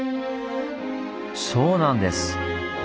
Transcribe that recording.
そうなんです！